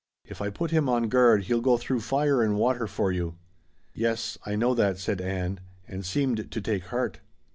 If I put him on guard he'll go through fire and water for you." "Yes I know that," said Ann, and seemed to take heart.